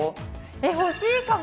えっ、欲しいかも。